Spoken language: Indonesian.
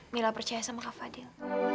mila percaya sama kak fadil